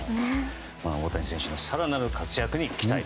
大谷選手の更なる活躍に期待。